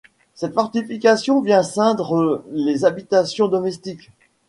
Cette fortification vient ceindre les habitations domestiques.